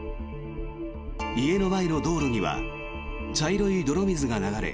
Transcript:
家の前の道路には茶色い泥水が流れ